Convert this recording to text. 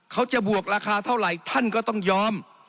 บวกราคาเท่าไหร่ท่านก็ต้องยอม